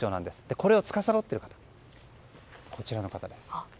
これをつかさどっているのがこちらの方です。